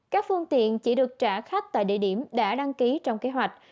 các phương tiện chỉ được trả khách tại địa điểm đã đăng ký trong kế hoạch